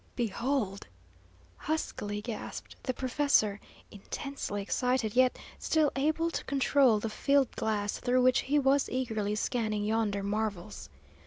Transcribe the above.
"Behold!" huskily gasped the professor, intensely excited, yet still able to control the field glass through which he was eagerly scanning yonder marvels.